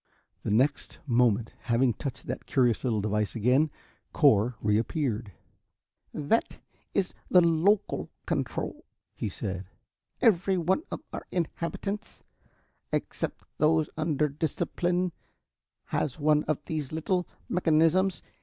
The next moment, having touched that curious little device again, Cor reappeared. "That is the local control," he said. "Every one of our inhabitants, except those under discipline, has one of these little mechanisms.